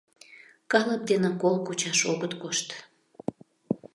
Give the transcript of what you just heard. — Калып дене кол кучаш огыт кошт!